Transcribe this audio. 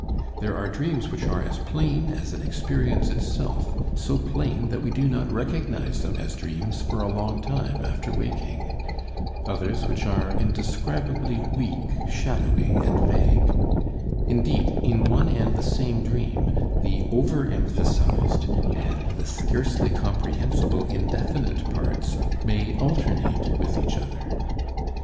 There are dreams which are as plain as an experience itself, so plain that we do not recognize them as dreams for a long time after waking; others which are indescribably weak, shadowy and vague; indeed in one and the same dream, the overemphasized and the scarcely comprehensible, indefinite parts may alternate with each other.